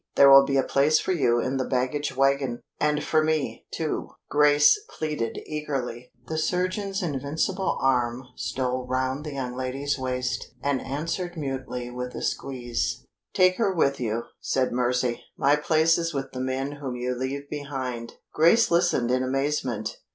There will be a place for you in the baggage wagon." "And for me, too?" Grace pleaded, eagerly. The surgeon's invincible arm stole round the young lady's waist, and answered mutely with a squeeze. "Take her with you," said Mercy. "My place is with the men whom you leave behind." Grace listened in amazement.